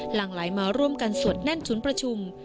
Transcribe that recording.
หลังไหลมาร่วมกันสวดแน่นชุดประชุม